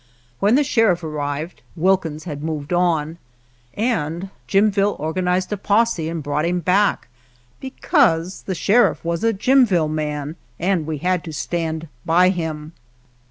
When the sheriff arrived Wilkins had moved on, and Jimville organized a posse and brought him back, because the sheriff was a Jimville man and we had to stand by him.